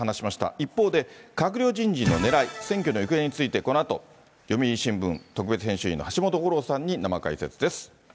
一方で、閣僚人事のねらい、選挙の行方について、このあと読売新聞特別編集員の橋本五郎さんに生解説です。